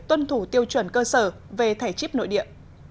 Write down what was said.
tuân thủ tiêu chuẩn cơ sở về thẻ chip nội địa